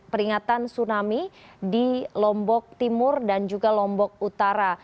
peringatan tsunami di lombok timur dan juga lombok utara